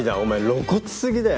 露骨過ぎだよ。